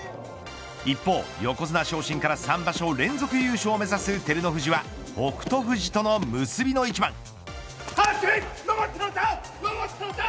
一方、横綱昇進から３場所連続優勝を目指す照ノ富士は北勝富士との結びの一番。